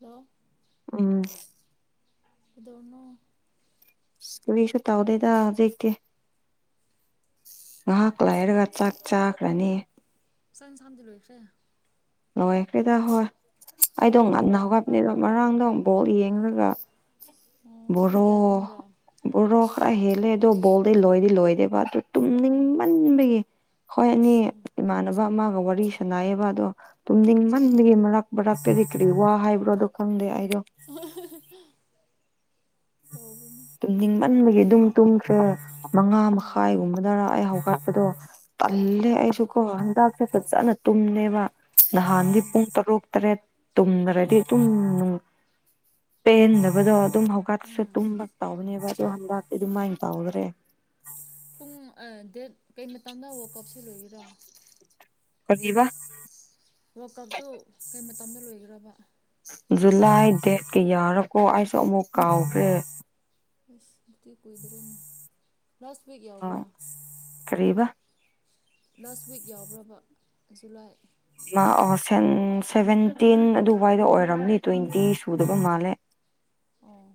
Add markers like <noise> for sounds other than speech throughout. Hello ꯎꯝ ꯗꯅꯣ ꯁꯁ ꯇꯥꯎꯗꯦꯗ ꯑꯗꯨ ꯉꯥꯏꯍꯥꯛ ꯂꯥꯏꯔꯒ ꯆꯥꯛ ꯆꯥꯈ꯭ꯔꯅꯤ ꯁꯥꯏꯅ ꯁꯥꯟꯗꯤ ꯂꯣꯏꯈ꯭ꯔꯦ ꯂꯣꯏꯈ꯭ꯔꯦꯗ ꯍꯣꯏ ꯑꯩꯗꯣ ꯉꯟꯅ ꯍꯧꯒꯠꯄꯅꯤꯗꯣ ꯃꯔꯥꯡꯗꯣ ꯕꯣꯣꯛ ꯌꯦꯡꯉꯒ ꯑꯣ ꯄꯨꯡ ꯕꯔꯣ ꯀꯌꯥ ꯇꯨꯝꯕ꯭ꯔꯥ ꯕꯔꯣ ꯈꯔ ꯏꯁ ꯍꯦꯜꯂꯦ ꯑꯗꯨ ꯕꯣꯜꯗꯤ ꯂꯣꯏꯗꯤ ꯂꯣꯏꯗꯦꯕ ꯑꯗꯨ ꯎꯝ ꯇꯨꯝꯅꯤꯡꯃꯟꯕꯒꯤ ꯈꯣꯏ ꯑꯅꯤ ꯎꯝ ꯏꯃꯥꯟꯅꯕ ꯑꯃꯒ ꯋꯥꯔꯤ ꯁꯅꯌꯦꯕ ꯑꯗꯣ ꯎꯝ ꯇꯨꯝꯅꯤꯡ ꯃꯟꯒꯤ ꯃꯔꯛ ꯃꯔꯛꯇꯗꯤ ꯀꯔꯤ ꯋꯥ ꯍꯥꯏꯕ꯭ꯔꯣꯗꯣ ꯈꯪꯗꯦ ꯑꯩꯗꯣ ꯇꯧꯕꯅꯤ ꯇꯨꯝꯅꯤꯡꯃꯟꯕꯒꯤ ꯑꯗꯨꯝ ꯇꯨꯝꯈ꯭ꯔꯦ ꯃꯉꯥ ꯎꯝ ꯃꯈꯥꯏꯒꯨꯝꯕꯗꯅ ꯑꯩ ꯍꯧꯒꯠꯄꯗꯣ ꯇꯜꯂꯦ ꯎꯝ ꯑꯩꯁꯨꯨ ꯀꯣ ꯍꯤꯗꯥꯛꯇꯣ ꯐꯠꯖꯅ ꯇꯨꯝꯅꯦꯕ ꯅꯍꯥꯟꯗꯤ ꯎꯝ ꯄꯨꯡ ꯇꯔꯨꯛ ꯇꯔꯦꯠ ꯇꯨꯝꯈꯔꯗꯤ ꯑꯗꯨꯨꯝ ꯄꯦꯟꯗꯕꯗꯣ ꯑꯗꯨꯝ ꯍꯧꯀꯠꯁ ꯎꯝ ꯇꯨꯝꯕ ꯇꯧꯕꯅꯦꯕ ꯗꯣ ꯍꯟꯗꯛꯇꯤ ꯗꯨꯃꯥꯏꯅ ꯅꯨꯄꯥ ꯎꯔꯒ ꯄꯨꯡ ꯇꯔꯦꯠ ꯀꯩ ꯃꯇꯝꯗ ꯋꯥꯜꯀꯞꯁꯦ ꯂꯣꯏꯒꯗꯔꯥ ꯀꯔꯤꯕ ꯋꯜꯀꯞꯇꯣ ꯀꯩ ꯃꯇꯝꯗ ꯂꯣꯏꯈ꯭ꯔꯕ ꯖꯨꯂꯥꯏ ꯗꯦꯠ ꯀꯌꯥꯔꯀꯣ ꯑꯩꯁꯨ ꯑꯃꯨꯛ ꯀꯥꯎꯈ꯭ꯔꯦ ꯑꯁ ꯑꯗꯨꯗꯤ ꯀꯨꯏꯗꯔꯣꯏꯅꯦ ꯂꯥꯁ ꯋꯤꯛ ꯌꯥꯎꯕ꯭ꯔꯥ ꯀꯔꯤꯕ ꯂꯥꯁ ꯋꯤꯛ ꯌꯥꯎꯕ꯭ꯔꯕ ꯖꯨꯂꯥꯏ ꯑꯣ ꯁꯦꯚꯦꯟꯇꯤꯟ ꯑꯗꯨꯋꯥꯏꯗ ꯑꯣꯏꯔꯝꯅꯤ ꯇ꯭ꯋꯦꯟꯇꯤ ꯁꯨꯗꯕ ꯃꯥꯜꯂꯦ ꯑꯣ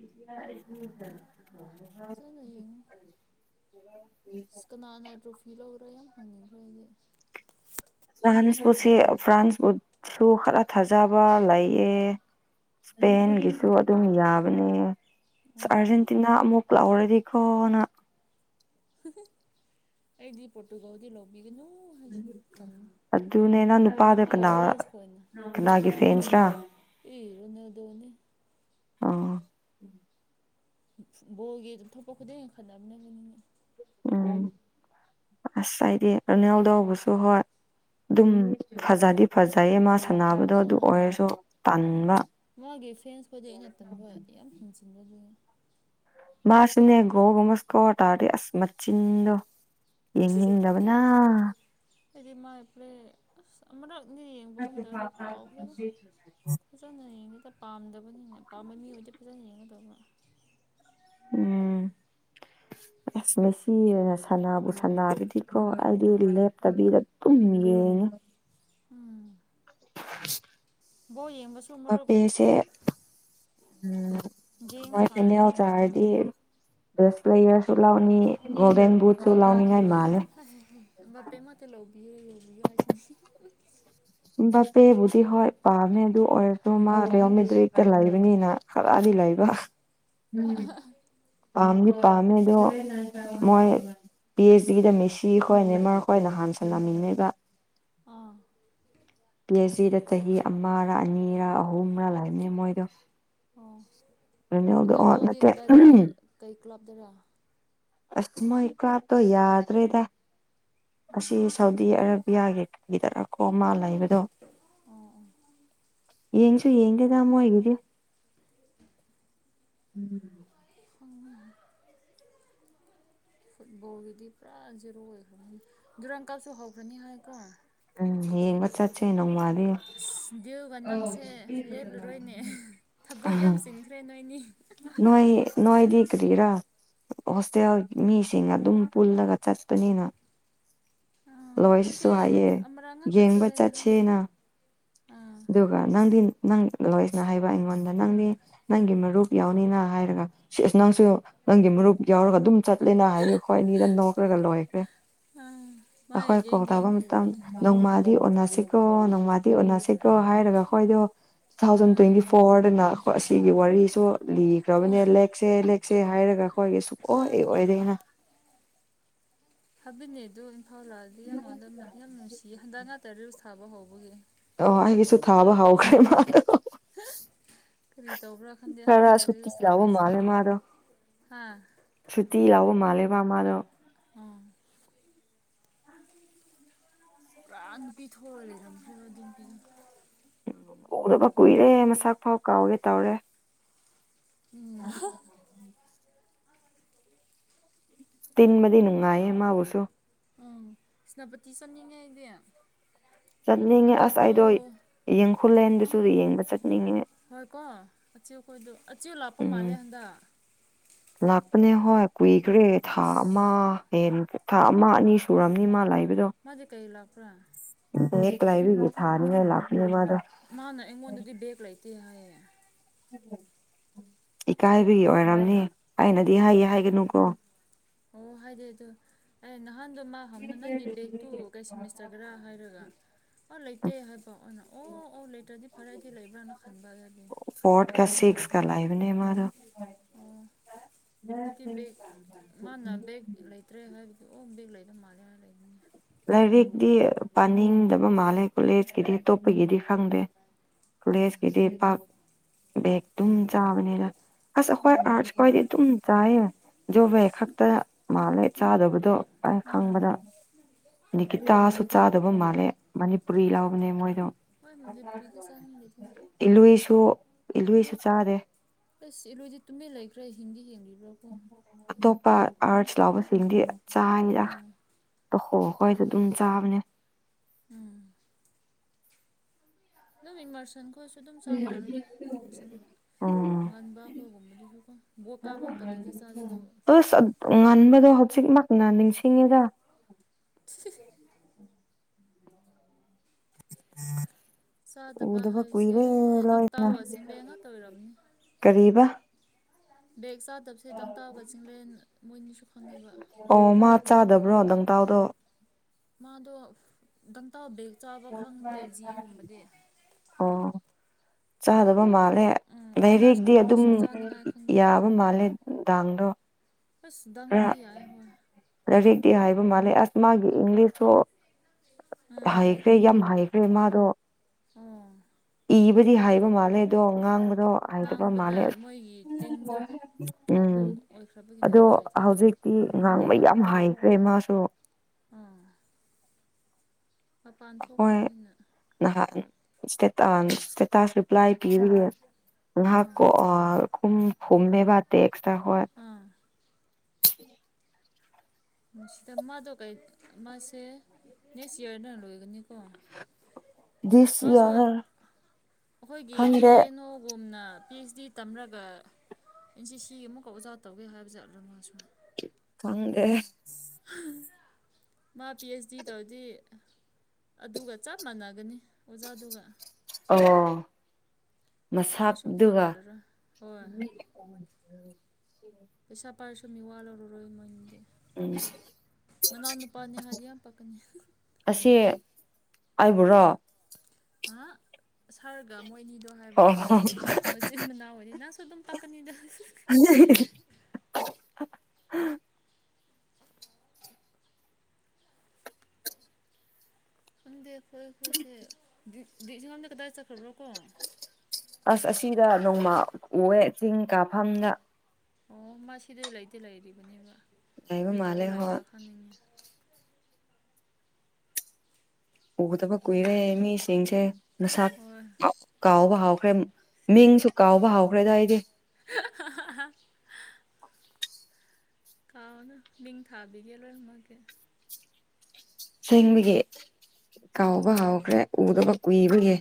<unintelligible> ꯐꯖꯟꯅ ꯌꯦꯡꯉꯣ <inaudible> ꯑꯁ ꯀꯅꯥꯅ ꯇ꯭ꯔꯣꯐꯤ ꯂꯧꯕꯔꯥ ꯌꯥꯝ ꯍꯪꯅꯤꯡꯈ꯭ꯔꯦ ꯑꯩꯗꯤ ꯐ꯭ꯔꯥꯟꯁꯄꯨꯁꯤ ꯐ꯭ꯔꯥꯟꯁꯄꯨꯁꯨ ꯈꯔ ꯊꯥꯖꯕ ꯂꯩꯌꯦ ꯏꯁꯄꯦꯟꯒꯤꯁꯨ ꯑꯗꯨꯝ ꯌꯥꯕꯅꯦ ꯎꯝ ꯑꯥꯔꯖꯦꯟꯇꯤꯅꯥ ꯑꯃꯨꯛ ꯂꯥꯎꯔꯗꯤꯀꯣꯅ ꯑꯩꯗꯤ ꯄꯣꯔꯇꯨꯒꯜ ꯗꯤ ꯂꯥꯎꯕꯤ ꯒꯅꯨ ꯑꯗꯨꯅꯦ ꯅꯪ ꯅꯨꯄꯥꯗ ꯃꯥꯏ ꯀꯅꯥ ꯐ꯭ꯔꯦꯟꯁ ꯈꯣꯏꯅ ꯀꯅꯥꯒꯤ ꯐꯦꯟꯁ꯭ꯔꯥ ꯏ ꯔꯣꯅꯥꯜꯗꯣꯅꯤ ꯑꯣ ꯕꯣꯜꯒꯤ ꯑꯗꯨꯝ ꯊꯣꯛꯄ ꯈꯨꯗꯤꯡ ꯈꯠꯅꯕꯅꯤꯅ ꯎꯝ ꯑꯁ ꯑꯩꯗꯤ ꯔꯣꯅꯜꯗꯣꯕꯨꯁꯨ ꯍꯣꯏ ꯑꯗꯨꯝ ꯐꯖꯗꯤ ꯐꯖꯩꯌꯦ ꯃꯥ ꯁꯥꯟꯅꯕꯗꯣ ꯑꯗꯨ ꯑꯥ ꯑꯣꯏꯔꯁꯨ ꯇꯥꯟꯕ ꯃꯥꯒꯤ ꯐꯦꯟꯁꯄꯨꯗꯤ ꯑꯩꯅ ꯇꯝꯕ ꯌꯥꯝ ꯌꯦꯡꯖꯤꯟꯕꯒꯤ ꯃꯥꯁꯨꯅꯦ ꯒꯣꯜꯒꯨꯝꯕ ꯁꯀꯣꯔ ꯇꯧꯔꯗꯤ ꯑꯁ ꯃꯆꯤꯟꯗꯣ ꯌꯦꯡꯅꯤꯡ ꯂꯕꯅꯥ ꯑꯩꯗꯤ ꯃꯥꯏ ꯄ꯭ꯂꯦ ꯑꯁ ꯑꯃꯨꯔꯛꯅꯤ ꯌꯦꯡꯕꯒꯨꯝꯗ ꯑꯗꯨ ꯀꯥꯎꯈ꯭ꯔꯦꯗ ꯐꯖꯅ ꯌꯦꯡꯗꯦꯗ ꯄꯥꯝꯗꯕꯅꯤꯅ ꯄꯥꯝꯕ ꯃꯤ ꯑꯣꯏꯗꯤ ꯐꯖꯅ ꯌꯦꯡꯒꯗꯕ ꯎꯝ ꯑꯁ ꯉꯁꯤ ꯑꯣꯏꯅ ꯁꯥꯟꯅꯕꯨ ꯁꯥꯟꯅꯔꯗꯗꯤꯀꯣ ꯑꯩꯗꯤ ꯂꯦꯞꯇꯕꯤꯗ ꯑꯗꯨꯝ ꯌꯦꯡꯉꯦ ꯎꯝ <unintelligible> ꯕꯣꯜ ꯌꯦꯡꯕꯁꯨ ꯃꯔꯨꯞ ꯃꯄꯦꯁꯦ ꯒꯦꯡ ꯐꯥꯔꯗꯤ ꯅꯨꯡꯉꯥꯏꯕꯅꯤ <unintelligible> ꯕꯦꯁ ꯄ꯭ꯂꯦꯌꯔꯁꯨ ꯂꯥꯎꯅꯤ ꯒꯣꯜꯗꯦꯟ ꯕꯨꯠꯁꯨ ꯂꯥꯎꯅꯤꯡꯉꯥꯏ ꯃꯥꯜꯂꯦ <unintelligible> ꯕꯄꯦꯕꯨꯗꯤ ꯍꯣꯏ ꯄꯥꯝꯃꯦ ꯑꯗꯨ ꯑꯣꯏꯔꯁꯨ ꯃꯥ ꯔꯤꯌꯣꯃꯦꯗ꯭ꯔꯤꯛꯇ ꯂꯩꯕꯅꯤꯅ ꯈꯔꯗꯤ ꯂꯩꯕ ꯄꯝꯗꯤ ꯄꯝꯃꯦꯗꯨ ꯑꯥ ꯃꯣꯏ ꯄꯤ ꯑꯩꯆ ꯗꯤꯗ ꯃꯁꯤ ꯈꯣꯏ ꯅꯦꯃꯔ ꯈꯣꯏꯅ ꯍꯥꯟꯅ ꯁꯜ ꯂꯝꯃꯤꯅꯦꯕ ꯑꯥ ꯄꯤ ꯑꯩꯆ ꯗꯤꯗ ꯆꯍꯤ ꯑꯃꯔ ꯑꯅꯤꯔ ꯑꯍꯨꯝꯔ ꯂꯩꯕꯅꯤ ꯃꯣꯏꯗꯣ ꯑꯣ ꯔꯣꯅꯦꯜꯗꯣ ꯑꯣ ꯔꯣꯅꯥꯜꯗꯣꯗꯤ ꯅꯠꯇꯦ ꯀꯗꯥꯏꯗ ꯀꯩ ꯀ꯭ꯂꯥꯞ ꯇꯔꯥ ꯑꯁ ꯃꯣꯏ ꯀꯥꯞꯇꯣ ꯌꯥꯗ꯭ꯔꯦꯗ ꯑꯣ ꯑꯁꯤ ꯁꯥꯎꯗꯤ ꯑꯔꯞ ꯌꯥꯒꯦ ꯀꯗꯔ ꯀꯣ ꯃꯥ ꯂꯩꯕꯗꯣ ꯑꯣ ꯑꯣ ꯌꯦꯡꯁꯨ ꯌꯦꯡꯗꯦ ꯇ ꯃꯣꯏꯒꯤꯗꯤ ꯎꯝ ꯐꯨꯠꯕꯣꯜꯒꯤꯗꯤ ꯄꯨꯔꯥ ꯖꯦꯔꯣ ꯑꯣꯏꯈ꯭ꯔꯕꯅꯤ ꯗꯨꯨꯔꯥꯡ ꯀꯥꯞꯁꯨ ꯍꯧꯈ꯭ꯔꯅꯤ ꯍꯥꯏꯀꯣ ꯎꯝ ꯌꯦꯡꯕ ꯆꯠꯁꯦ ꯅꯣꯡꯃꯜꯗꯤ ꯑꯁ ꯗꯤꯨꯒ ꯅꯪꯁꯦ ꯂꯦꯞꯂꯨꯔꯣꯏꯅꯦ ꯊꯕꯛ ꯌꯥꯝ ꯆꯤꯟꯈ꯭ꯔꯦ ꯅꯣꯏꯅꯤ ꯅꯣꯏ ꯅꯣꯣꯏꯗꯤ ꯀꯔꯤꯔꯥ ꯍꯣꯁꯇꯦꯜ ꯃꯤꯁꯤꯡ ꯑꯗꯨꯝ ꯄꯨꯜꯂꯒ ꯆꯠꯄꯅꯤꯅ ꯑꯥ ꯂꯣꯏꯁꯤꯁꯨ ꯑꯩꯗꯤ ꯍꯥꯏꯌꯦ ꯑꯃꯔꯛ ꯉꯥꯛꯇ ꯌꯦꯡꯕ ꯆꯠꯂꯦ ꯅꯍꯥꯟ ꯆꯠꯁꯅ ꯑꯥ ꯑꯗꯨꯒ ꯑꯗꯨꯒ ꯅꯪꯗꯤ ꯅꯪ ꯂꯣꯏꯁꯤꯅ ꯍꯥꯏꯕ ꯑꯩꯉꯣꯟꯗ ꯅꯪꯗꯤ ꯎꯝ ꯅꯪꯒꯤ ꯃꯔꯨꯞ ꯌꯥꯎꯅꯤꯅ ꯍꯥꯏꯔꯒ ꯁꯤ ꯑꯁ ꯅꯪꯁꯨ ꯅꯪꯒꯤ ꯃꯔꯨꯞ ꯌꯥꯎꯔꯒ ꯑꯗꯨꯝ꯫ ꯆꯠꯂꯦꯅ ꯍꯥꯏꯌ ꯑꯩꯈꯣꯏ ꯑꯅꯤꯗ ꯅꯣꯛꯈ꯭ꯔꯒ ꯂꯣꯏꯈ꯭ꯔꯦ ꯑꯥ ꯃꯥꯏ ꯑꯩꯈꯣꯏ ꯒꯦꯡ ꯀꯜ ꯒꯦꯡ ꯊꯥꯕ ꯃꯇꯝꯗ ꯄꯨꯕꯅꯦ ꯅꯣꯡꯃꯥꯗꯤ ꯑꯣꯟꯅꯁꯤꯀꯣ ꯅꯣꯡꯃꯥꯗꯤ ꯑꯣꯅꯥꯁꯤꯦꯀꯣ ꯍꯥꯏꯔꯒ ꯑꯩꯈꯣꯏꯗꯣ ꯇꯨ ꯊꯥꯎꯖꯟ ꯑꯥ ꯇ꯭ꯋꯦꯟꯇꯤ ꯐꯣꯔꯗꯅ ꯑꯁꯤꯒꯤ ꯋꯥꯔꯤꯁꯨ ꯍꯣꯏ ꯂꯤꯈ꯭ꯔꯕꯅꯦ ꯂꯦꯛꯁꯦ ꯂꯦꯛꯁꯦ ꯍꯥꯏꯔꯒ ꯑꯩꯈꯣꯏꯒꯤ ꯁꯨꯡꯛꯑꯣ ꯑꯥ ꯑꯣꯏꯔꯦꯅ ꯍꯥꯕꯤꯠꯅꯦ ꯑꯗꯨꯣ ꯏꯝꯐꯥꯜ ꯂꯥꯛꯑꯗꯤ ꯌꯥꯝꯉꯣꯟꯗ ꯌꯥꯝ ꯅꯨꯡꯁꯤꯌꯦ ꯍꯟꯗꯛ ꯉꯥꯛꯇꯔꯔꯁꯨ ꯊꯥꯕ ꯍꯧꯕꯒꯤ ꯑꯣ ꯑꯩꯒꯤꯁꯨ ꯊꯥꯕ ꯍꯥꯎꯈ꯭ꯔꯦ ꯃꯥꯗꯣ ꯀꯔꯤ ꯇꯧꯕ꯭ꯔꯥ ꯈꯪꯗꯦ ꯈꯔ ꯍꯟꯗꯛ ꯁꯨꯇꯤ ꯔꯤꯨꯁ ꯂꯧꯕ ꯊꯥꯔꯛꯑꯁꯤ ꯃꯥꯜꯂꯦ ꯃꯥꯗꯣ ꯍꯥꯥ ꯁꯨꯇꯤ ꯂꯥꯎꯕ ꯃꯥꯜꯂꯦꯕ ꯃꯥꯗꯣ ꯑꯥ ꯄꯨꯔꯥ ꯅꯨꯄꯤ ꯊꯣꯛꯑ ꯂꯩꯔꯝꯈ꯭ꯔꯒ ꯑꯗꯨ ꯅꯨꯄꯤꯗꯨꯅ ꯗꯕ ꯀꯨꯏꯔꯦ ꯃꯁꯥꯛ ꯐꯥꯎ ꯀꯥꯎꯒꯦ ꯇꯧꯔꯦ ꯎꯝ ꯇꯤꯟ ꯃꯗꯤ ꯅꯅꯨꯡ ꯉꯥꯏꯃꯥꯎꯨꯁꯨꯣ ꯎꯪ ꯀ꯭ꯁꯅꯄꯇꯤ ꯆꯠꯅꯤꯡꯉꯦ ꯍꯥꯏꯅꯦ ꯆꯠꯅꯤꯡꯉꯦ ꯑꯁ ꯑꯩꯗꯣ ꯌꯦꯡꯈꯨꯜꯂꯦꯟꯗꯨꯁꯨ ꯌꯦꯡꯕ ꯆꯠꯅꯤꯡꯉꯦ ꯍꯣꯏ ꯀꯣ ꯑꯆꯨ ꯀꯣꯏꯗ ꯑꯆꯨ ꯂꯥꯛꯄ ꯎꯝ ꯃꯥꯜꯂꯦ ꯍꯟꯗꯛ ꯂꯥꯛꯄꯅꯦ ꯍꯣꯏ ꯀꯨꯏꯈ꯭ꯔꯦ ꯊꯥ ꯑꯁ ꯑꯃ ꯍꯌꯦꯡ ꯊꯥ ꯑꯃ ꯑꯅꯤ ꯁꯨꯔꯕꯅꯤ ꯃꯥ ꯂꯥꯛꯕꯗꯣ ꯃꯦ ꯀꯩ ꯂ ꯄꯨ꯭ꯔ ꯍꯦꯛꯛꯇ ꯂꯥꯏꯕꯤꯒꯦ ꯊꯥꯅꯤꯉꯥꯏ ꯂꯥꯛꯄꯅꯦ ꯃꯥꯗꯣ ꯃꯥꯅ ꯑꯩꯉꯣꯟꯗꯗꯤ ꯕꯦꯒ ꯂꯩꯇꯦ ꯍꯥꯏꯌꯦ ꯏꯀꯥꯏꯕꯒꯤ ꯑꯣꯏꯔꯝꯅꯤ ꯑꯩꯅꯗꯤ ꯑꯣ ꯍꯥꯏꯌꯦ ꯍꯥꯏꯒꯅꯨꯀꯣ ꯑꯣ ꯍꯥꯏꯗꯤ ꯑꯗꯨꯗꯣ ꯑꯦ ꯅꯍꯥꯟꯗꯣ ꯃꯥ ꯍꯧꯅ ꯅꯪꯒꯤ ꯕꯦꯒꯛꯇꯨ ꯀꯩ ꯁꯃꯤꯁꯇꯒꯔꯥ ꯍꯥꯏꯔꯒ ꯑꯣ ꯂꯩꯇꯦ ꯍꯥꯏꯕ ꯑꯩꯅ ꯑꯣ ꯑꯣꯧ ꯂꯩꯇ꯭ꯔꯗꯤ ꯐꯔꯦꯗꯤ ꯂꯩꯕ꯭ꯔꯅ ꯈꯟꯕꯗꯤ ꯐꯣꯔꯠ ꯀ ꯁꯤꯁ ꯀ ꯂꯥꯏꯚꯅꯦꯔ ꯑꯣ ꯁꯤꯗꯤ ꯕꯒ ꯃꯥꯅ ꯕꯦꯒ ꯂꯩꯇ꯭ꯔꯦ ꯍꯥꯏꯕꯗꯤ ꯑꯣꯝ ꯕꯦꯒ ꯂꯩꯗꯧ ꯃꯥꯜꯂꯦ ꯍꯥꯏ ꯂꯩꯕꯅꯤ ꯂꯥꯏꯔꯤꯛꯇꯤ ꯄꯥꯅꯤꯡꯗꯕ ꯃꯥꯜꯂꯦ ꯀꯣꯂꯦꯖꯀꯤꯗꯤ ꯑꯇꯣꯞꯄꯒꯤꯗꯤ ꯈꯪꯗꯦ ꯎꯝ ꯀꯨꯔꯦꯁꯀꯤꯗꯤ ꯄꯥꯛ ꯕꯦꯛ ꯑꯗꯨꯝ ꯆꯥꯕꯅꯤꯅ ꯑꯁ ꯑꯩꯈꯣꯏ ꯎꯝ ꯑꯥꯔꯠꯁ ꯈ꯭ꯋꯥꯏꯗꯤ ꯑꯗꯨꯝ ꯆꯥꯏꯌꯦ ꯖꯣꯕꯦ ꯈꯛꯇ ꯃꯥꯜꯂꯦ ꯆꯥꯗꯕꯗꯣ ꯑꯩ ꯈꯪꯕꯗ ꯃꯗ ꯅꯤ ꯒꯤꯇꯥꯥꯁꯨ ꯆꯥꯗꯕ ꯃꯥꯜꯂꯦ ꯃꯅꯤꯄꯨꯔꯤ ꯂꯥꯎꯕꯅꯦ ꯃꯣꯏꯗꯣ ꯍꯣꯏꯦ ꯄꯔꯤꯗꯤ ꯆꯥꯡꯉ ꯂꯤ ꯏꯜꯂꯨꯏꯁꯨ ꯏꯜꯂꯨꯏꯁꯨ ꯆꯥꯗꯦ ꯑꯁ ꯏꯂꯣꯏꯁꯦ ꯇꯨꯃꯦꯦꯟ ꯂꯩꯈ꯭ꯔꯥ ꯍꯤꯡꯗꯤ ꯍꯡꯂꯤꯕ꯭ꯔꯥꯀꯣ ꯑꯇꯣꯞꯄ ꯑꯥꯔꯠꯁ ꯂꯥꯎꯕꯁꯤꯡꯗꯤ ꯆꯥꯡꯗ ꯎꯝ ꯑ ꯍꯣ ꯍꯈꯣꯏꯗꯦ ꯍꯣꯏ ꯑꯗꯨꯝ ꯆꯥꯕꯅꯦ ꯎꯝ ꯑꯗꯨꯝ ꯏꯟꯃꯔꯁꯟ ꯈꯣꯣꯏꯁꯨ ꯑꯗꯨꯝ ꯆꯥꯝ ꯃꯥꯜꯂꯣꯏꯗ ꯁꯨꯝ ꯎꯝ ꯉꯟꯕ ꯑꯩꯈꯣꯏꯒꯨꯝꯕꯗꯨꯁꯨ ꯀꯣ ꯕꯣ ꯀꯥꯕꯇꯞꯅꯗꯤ ꯆꯥꯔꯦ ꯑꯗꯨ ꯑꯁ ꯉꯟꯕꯗꯣ ꯍꯧꯖꯤꯛꯃꯛꯅ ꯅꯤꯡꯁꯤꯡꯉꯒ ꯆꯥꯗꯕ ꯎꯗꯕ ꯍꯥꯏꯁꯦ ꯀꯨꯏꯔꯦ ꯗꯪ ꯇꯥꯎꯋꯥ ꯆꯤꯡꯂꯦꯟ ꯉꯥꯛꯇ ꯑꯣꯏꯝꯅꯤ ꯀꯕ ꯕꯦꯛ ꯆꯥꯗꯕꯁꯦ ꯗꯪ ꯇꯥꯕ ꯆꯤꯡꯂꯦꯟ ꯃꯣꯏꯅꯤꯁꯨ ꯐꯪꯉꯦꯕ ꯑꯣ ꯃꯥ ꯆꯥꯗꯕ꯭ꯔꯣ ꯂꯪꯇꯥꯎꯗꯣ ꯃꯥꯗꯣ ꯗꯪꯇꯥꯥꯎ ꯕꯦꯛ ꯆꯥꯕ ꯈꯪꯗꯦ ꯖꯤꯒꯨꯝꯕꯗꯤ ꯑꯣ ꯆꯥꯗꯕ ꯃꯥꯜꯂꯦ ꯎꯝ ꯂꯥꯏꯔꯦꯛꯇꯤ ꯑꯗꯨꯝ ꯑꯣꯅꯔꯁꯀꯨꯝꯕꯁꯨ ꯆꯥꯅꯉꯥꯏ ꯈꯪꯗꯦ ꯌꯥꯕ ꯃꯥꯜꯂꯦ ꯗꯥꯡꯗꯣ ꯁ ꯗꯪ ꯍ ꯈꯔ ꯌꯥ ꯍ ꯂꯥꯏꯔꯤꯛꯇꯤ ꯍꯥꯏꯕ ꯃꯥꯜꯂꯦ ꯑꯁ ꯃꯥꯒꯤ ꯏꯪꯂꯤꯁꯁꯨ ꯎꯝ ꯍꯥꯏ ꯐꯦ ꯌꯥꯝ ꯍꯩꯈ꯭ꯔꯦ ꯃꯥꯗꯣ ꯎꯝ ꯏꯕꯗꯤ ꯍꯥꯏꯕ ꯃꯥꯜꯂꯦ ꯑꯗꯣ ꯉꯥꯡꯕꯗꯣ ꯍꯥꯏꯗꯕ ꯉꯥꯡꯕꯗ ꯃꯥꯜꯂꯦ ꯃꯣꯏꯒꯤ ꯇꯤꯟꯗꯨ ꯎꯝ ꯑꯗꯨꯝ ꯑꯣꯏꯈ꯭ꯔꯕꯒꯤꯅꯤ ꯑꯗꯣ ꯎꯄꯥꯏ ꯂꯩꯇꯦꯗ ꯍꯧꯖꯤꯛ ꯤ ꯉꯥꯡꯕ ꯌꯥꯝ ꯍꯥꯏꯈ꯭ꯔꯦ ꯃꯥꯁꯨ ꯑꯥ ꯃꯄꯥꯟ ꯊꯣꯛꯈ꯭ꯔꯕꯅꯤꯅ ꯅꯍ ꯏꯁꯇꯦꯇꯥꯁ ꯔꯤꯄ꯭ꯂꯥꯏ ꯄꯤꯔꯤꯌꯦꯦ ꯉꯍꯥꯛ ꯑꯥ ꯈ ꯐꯨꯝꯦꯕ ꯇꯦꯛꯁꯇ꯭ꯔ ꯍ ꯑꯥ ꯁꯤꯗ ꯃꯥꯗꯣ ꯀꯩꯟ ꯃꯥꯁꯦ ꯅꯦꯛꯁ ꯏ꯭ꯌꯥꯔꯗ ꯂꯣꯏꯒꯅꯤꯀꯣ ꯗꯤꯁ ꯃꯥꯁꯨ ꯌꯔ ꯑꯩꯈꯣꯏꯒꯤ ꯑꯦ ꯈꯪꯗꯦ ꯑꯦꯟ ꯑꯣꯒꯨꯝꯅ ꯄꯤ ꯑꯩꯆ ꯗꯤ ꯇꯝꯔꯒ ꯑꯦꯟ ꯁꯤ ꯁꯤ ꯑꯃꯨꯛꯀ ꯑꯣꯖꯥ ꯇꯧꯒꯦ ꯍꯥꯏꯕꯁꯦ ꯑꯗꯨ ꯑꯗꯨꯝꯁꯨ ꯊꯪ ꯎꯝ ꯃꯥ ꯄꯤ ꯑꯩꯆ ꯗꯤ ꯇꯧꯗꯤ ꯑꯗꯨꯒ ꯆꯞ ꯃꯥꯟꯅꯒꯅꯤ ꯑꯣꯖꯥꯗꯨꯒ ꯑꯣ ꯀꯔꯤꯁꯨ ꯃꯁꯥꯗꯨꯒ ꯈꯦꯠꯅꯔꯔꯣꯏ ꯍꯣꯏ ꯃꯁꯤ ꯄꯩꯁꯥ ꯄꯥꯏꯔꯁꯨ ꯃꯤ ꯋꯥꯠꯂꯔꯔꯣꯏ ꯃꯣꯏꯅꯗꯤ ꯎꯝ ꯃꯅ ꯑꯣꯅ ꯄꯥꯅꯤ ꯍꯥꯖꯤ ꯌꯥꯝ ꯄꯀꯅꯤ ꯑꯁꯦ ꯍꯥꯏꯕ꯭ꯔꯣ ꯍꯥ ꯁꯥꯔꯒ ꯃꯣꯏꯅꯤꯗꯣ ꯍꯥꯏꯕ ꯑꯣ ꯃꯆꯤꯟ ꯃꯅꯥꯎ ꯑꯣꯏꯅꯤ ꯅꯁꯨ ꯑꯗꯨꯝ ꯄꯥꯛꯀꯅꯤꯗ ꯑ ꯈꯪꯗꯦ ꯑꯩꯈꯣꯏ ꯑꯩꯈꯣꯏꯁꯦ ꯂꯝꯗ ꯀꯗꯥꯏ ꯆꯠꯈ꯭ꯔꯕ꯭ꯔꯣ ꯀꯣ ꯑꯁ ꯑꯁꯤꯗ ꯅꯣꯡꯃ ꯎꯑꯦ ꯆꯤꯡ ꯀꯥꯐꯝꯅ ꯑꯣ ꯃꯥ ꯁꯤꯗꯤꯩ ꯂꯩꯗꯤꯦ ꯂꯩꯔꯤꯕꯅꯦꯕ ꯂꯩꯕ ꯐꯔꯤ ꯃꯥꯜꯂꯦ ꯇꯧꯔ ꯍꯣꯏ ꯂꯩꯕ꯭ꯔꯥ ꯈꯟꯅꯤꯡꯉꯤ ꯎꯗꯕ ꯀꯨꯏꯔꯦ ꯃꯤꯁꯤꯡꯁꯦ ꯅꯁꯥ ꯍꯣꯏ ꯀꯥꯎꯕ ꯍꯥꯎꯈ꯭ꯔꯦ ꯃꯤꯡꯁꯨ ꯀꯥꯎꯕ ꯍꯧꯈ꯭ꯔꯦꯗꯏꯗꯤ <unintelligible> ꯀꯥꯎꯅ ꯅꯤꯡ ꯊꯥꯕꯤꯒꯦ ꯂꯣꯏꯔꯝꯃꯛꯒꯦ ꯦꯡꯕꯒꯤ ꯀꯥꯎꯕ ꯍꯧꯥꯎꯈ꯭ꯔꯦ ꯎꯗꯕ ꯀꯨꯏꯕꯒꯤ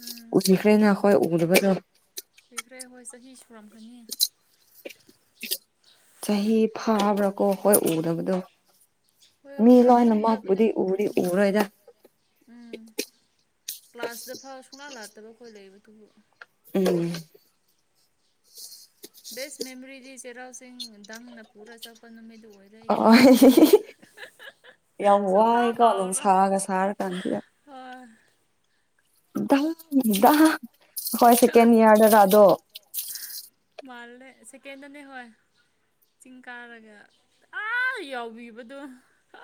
ꯎꯝ ꯎꯁꯤꯈ꯭ꯔꯦꯅꯈꯣꯏ ꯎꯠꯕ ꯀꯨꯏꯈ꯭ꯔꯦ ꯍꯣꯏ ꯆꯍꯤ ꯁꯨꯔꯝꯒꯅꯤ ꯆꯍꯤ ꯐꯥꯕ꯭ꯔꯥ ꯀꯣ ꯍꯣꯏ ꯎꯗꯕꯗꯣ ꯍꯣꯏ ꯃꯤ ꯂꯣ ꯄꯨꯂꯞ ꯄꯨꯟꯗꯕꯗꯤ ꯅꯃꯕꯨꯗꯤ ꯎꯔꯤ ꯄꯨꯔꯝꯅꯤ ꯎꯔꯣꯣꯏꯗ ꯎꯝ ꯀ꯭ꯂꯥꯁꯇ ꯐꯥꯎ ꯁꯨꯡꯅꯥ ꯂꯥꯛꯇꯕ ꯑꯩꯈꯣꯏ ꯂꯩꯕꯗꯨꯕꯨ ꯎꯝ ꯕꯦꯁ ꯃꯦꯃꯣꯔꯤꯗꯤ ꯆꯩꯔꯥꯎ ꯆꯤꯡ ꯗꯪꯅ ꯄꯨꯔ ꯆꯠꯄ ꯅꯨꯃꯤꯠꯗꯨ ꯑꯣꯏ ꯑ ꯗꯒꯤꯗꯤ ꯌꯥꯝ ꯁꯨꯡ ꯀ ꯋꯥꯏꯀꯣ ꯀꯥꯎꯥꯎꯔꯣ ꯅꯨꯡꯁꯥꯒ ꯁꯥꯔ ꯀꯥꯟꯁꯤꯗ ꯑꯣ ꯍꯣꯏ ꯁꯦꯀꯦꯟ ꯏꯌꯥꯔꯗ ꯔꯥꯗꯣ ꯃꯥꯜꯗ ꯁꯀꯦꯟ ꯍꯅꯦ ꯍ ꯆꯤꯡ ꯀꯥꯔꯒ ꯑꯥ ꯌꯥꯎꯕꯤꯕꯗꯣ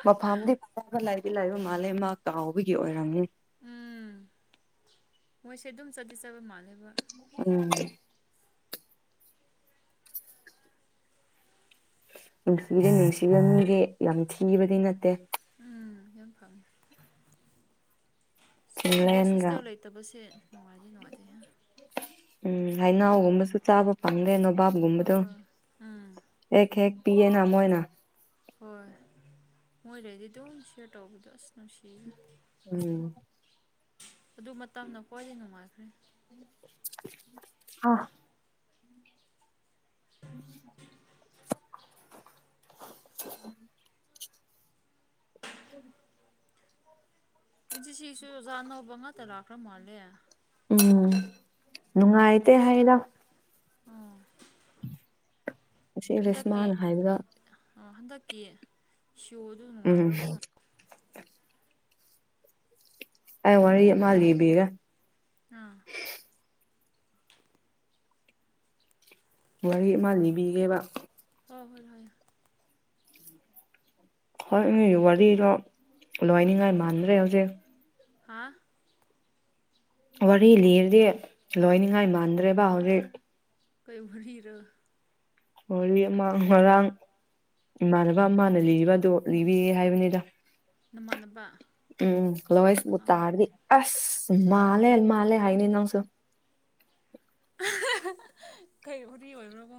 ꯃꯐꯝꯗꯤ ꯐꯖꯕ ꯂꯥꯏꯗꯤ ꯂꯥꯏꯕ ꯃꯥꯜꯂꯦ ꯃꯥ ꯀꯥꯎꯕꯒꯤ ꯑꯣꯏꯔꯝꯃꯤ ꯎꯝ ꯃꯣꯏꯁꯦ ꯑꯗꯨꯝ ꯆꯠꯗꯤ ꯆꯠꯕ ꯃꯥꯜꯂꯦꯕ ꯎꯝ ꯅꯨꯡꯁꯤꯖ ꯅꯨꯡꯁꯤꯕ ꯃꯤꯁꯦ ꯌꯥꯝ ꯊꯤꯕꯗꯤ ꯅꯠꯇꯦ ꯎꯝ ꯌꯥꯝ ꯄꯥꯝꯃꯦ ꯑꯁ ꯃꯣꯏ ꯚꯣꯏꯁ ꯆꯤꯡꯂꯦꯟꯒ ꯍꯣꯁꯇꯦꯜ ꯂꯩꯇꯕꯁꯦ ꯅꯨꯡꯉꯥꯏꯇ ꯅꯨꯡꯉꯥꯏꯇꯦ ꯎꯝ ꯍꯩꯅꯥꯎꯒꯨꯝꯕꯁꯨ ꯆꯥꯕ ꯄꯥꯝꯗꯦ ꯅꯣꯕꯥꯞꯒꯨꯝꯕꯗꯣ ꯍꯣꯏ ꯎꯝ ꯑꯦꯛ ꯍꯦꯛ ꯄꯤ ꯑꯦꯅ ꯃꯣꯏꯅ ꯍꯣꯏ ꯃꯣꯏ ꯔꯦꯗꯤꯗꯣ ꯁꯤꯌꯔ ꯇꯧꯕꯗꯣ ꯑꯁ ꯅꯨꯡꯁꯤꯦ ꯎꯝ ꯑꯗꯨ ꯃꯇꯝꯅ ꯈ꯭ꯋꯥꯏꯗꯤ ꯅꯨꯡꯉꯥꯏꯈ꯭ꯔꯦ <inaudible> ꯑꯥ ꯎ <inaudible> ꯏꯆꯦ ꯁꯤꯁꯨ ꯑꯣꯖꯥ ꯑꯧꯕ ꯉꯥꯛꯇ ꯂꯥꯛꯈ꯭ꯔ ꯃꯥꯜꯂꯦ ꯎꯝ ꯅꯨꯡꯉꯥꯏꯇꯦ ꯍꯥꯏꯔꯣ ꯑꯣ ꯑꯁꯤ ꯍꯟꯗꯛꯀꯤ ꯔꯦꯁꯃꯥꯅ ꯍꯥꯏꯕꯗ ꯍꯟꯗꯛꯀꯤ ꯁꯣꯗꯨ ꯎꯝ ꯅꯨꯡꯉꯥꯏꯕ꯭ꯔꯥ ꯀꯣ ꯑꯩ ꯋꯥꯔꯤ ꯑꯃ ꯂꯤꯕꯤꯒꯦ ꯑꯥ ꯋꯥꯔꯤꯔꯤ ꯑꯃ ꯂꯤꯅꯤꯕꯤꯒꯦꯕ ꯍ ꯍꯣꯏ ꯍꯣꯏ ꯍꯣꯏ ꯅꯣꯏꯒꯤ ꯋꯥꯔꯤꯗꯣ ꯂꯣꯏꯅꯤꯡꯉꯥꯏ ꯃꯥꯟꯗ꯭ꯔꯦ ꯍꯧꯖꯤꯛ ꯍꯥꯥ ꯋꯥꯔꯤ ꯂꯤꯔꯗꯤ ꯂꯣꯏꯅꯤꯉꯥꯏ ꯃꯥꯟꯗ꯭ꯔꯦꯕ ꯍꯧꯖꯤꯛ ꯀꯩꯃꯔꯤꯍꯤꯔ ꯋꯥꯔꯤ ꯑꯃꯥꯡ ꯉꯥꯡ ꯏꯃꯥꯟꯅꯕ ꯑꯃꯅ ꯂꯤꯗꯣ ꯂꯤꯕꯤꯌꯦꯦ ꯍꯥꯏꯕꯅꯤꯗ ꯅꯃꯥꯟꯅꯕ ꯎꯝ ꯍꯜꯂꯣ ꯑꯩꯁꯕꯨ ꯑꯥ ꯇꯥꯔꯗꯤ ꯑꯁ ꯃꯥꯜꯂꯦ ꯃꯥꯜꯂꯦ ꯍꯥꯏꯅꯤ ꯅꯪꯁꯨ ꯀꯩ ꯍꯨꯔꯤ ꯑꯣꯏꯕ꯭ꯔꯣꯒꯣ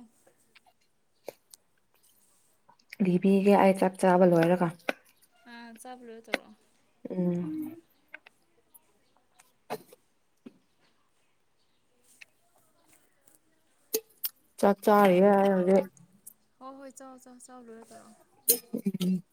ꯂꯤꯕꯤꯒꯦ ꯑꯩ ꯆꯥꯛ ꯆꯥꯕ ꯂꯣꯏꯔꯒ ꯑ ꯆꯥꯕ ꯂꯣꯏ ꯇꯧꯔꯣꯑꯣ ꯎꯝ ꯑ ꯆꯥ ꯆꯆꯥ ꯍꯌꯦ ꯌꯥꯦ ꯍꯣꯏ ꯍꯣꯏ ꯆꯥꯎꯥꯛ ꯆꯥꯎꯥꯛ ꯆꯥꯎꯥꯛ ꯂꯣꯏꯔ ꯇꯧꯔꯛꯑꯣ ꯎꯝ